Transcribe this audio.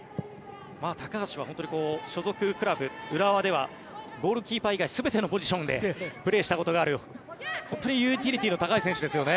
高橋は本当に所属クラブの浦和ではゴールキーパー以外全てのポジションでプレーしたことがある本当にユーティリティーの高い選手ですよね。